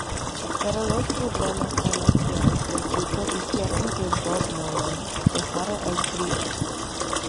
Pero los problemas financieros del grupo hicieron que Bob Nolan dejara el trío.